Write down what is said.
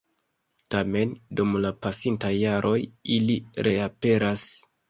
Tamen, dum la pasintaj jaroj ili reaperas.